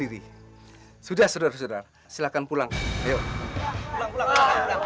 inilah cara kita terhadap elok victim psych removed